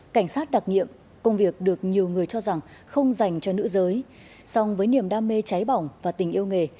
cảnh sát đặc nghiệm công việc được nhiều người cho rằng không dành cho nữ giới song với niềm đam mê cháy bỏng và tình yêu nghề